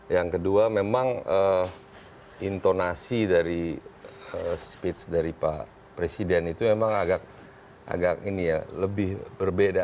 yang kedua memang intonasi dari speech dari pak presiden itu memang agak ini ya lebih berbeda